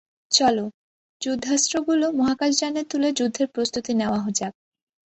চলো, যুদ্ধাস্ত্রগুলো মহাকাশযানে তুলে যুদ্ধের প্রস্তুতি নেওয়া যাক।